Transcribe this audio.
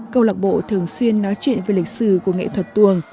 câu lạc bộ thường xuyên nói chuyện về lịch sử của nghệ thuật tuồng